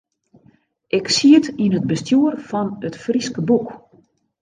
Ik siet yn it bestjoer fan It Fryske Boek.